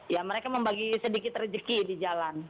ya mereka membagi sedikit rezeki di jalan